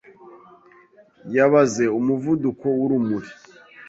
Yabaze umuvuduko wurumuri.